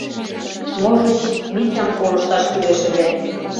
Можыч, Митям колышташ кӱлеш ыле?